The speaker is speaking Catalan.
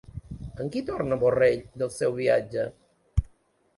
Amb qui tornà Borrell del seu viatge?